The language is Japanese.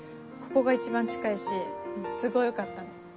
ここが一番近いし都合良かったの。